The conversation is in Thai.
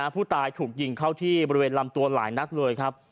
ผู้ตายถูกยิงเข้าที่บริเวณลำตัวหลายนัดเลยครับ